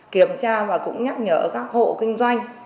kiểm tra và cũng nhắc nhở các hộ kinh doanh